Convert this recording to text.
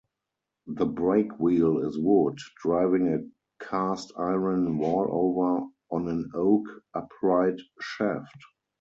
The Brake Wheel is wood, driving a cast-iron Wallower on an oak Upright Shaft.